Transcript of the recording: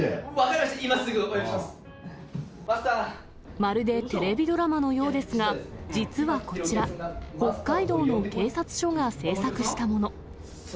まるでテレビドラマのようですが、実はこちら、北海道の警察署が制作したもの。